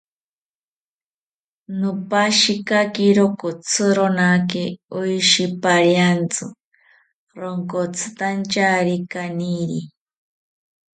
Nopashikakiro kotzironaki oshi pariantzi ronkotzitantyari kaniri